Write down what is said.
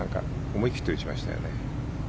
思い切って打ちましたよね。